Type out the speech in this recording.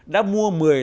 đã mua một mươi tàu máy